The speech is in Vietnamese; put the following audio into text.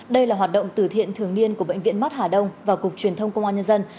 đây là hoạt động tử thiện thường niên của bệnh viện mắt hà đông và cục truyền thông công an nhân dân